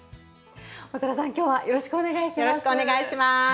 長田さんよろしくお願いします。